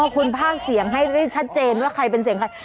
คุณภาคเสียงให้ได้ชัดเจนว่าใครเป็นเสียงใคร